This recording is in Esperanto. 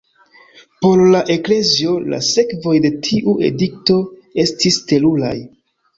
Por la Eklezio, la sekvoj de tiu edikto estis teruraj.